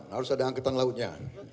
harus ada angketan lautnya